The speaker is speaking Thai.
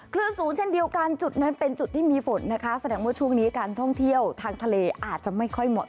คลื่นสูงเช่นเดียวกันจุดนั้นเป็นจุดที่มีฝนนะคะ